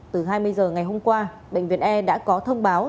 từ hai mươi h ngày hôm qua bệnh viện e đã có thông báo